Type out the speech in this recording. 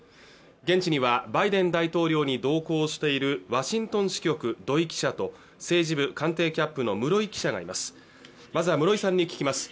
現地にはバイデン大統領に同行しているワシントン支局土居記者と政治部官邸キャップの室井記者がいます